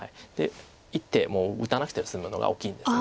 一手も打たなくて済むのが大きいんです。